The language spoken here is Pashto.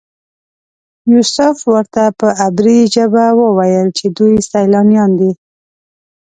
یوسف ورته په عبري ژبه وویل چې دوی سیلانیان دي.